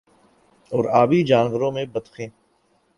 اور آبی جانوروں میں بطخیں